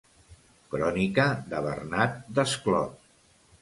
Crònica de Bernat Desclot.